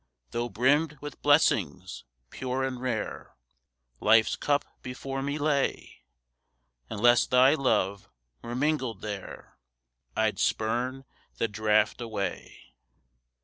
Tho' brimmed with blessings, pure and rare, Life's cup before me lay, Unless thy love were mingled there, I'd spurn the draft away.